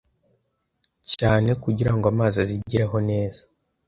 cyane kugira ngo amazi azigereho neza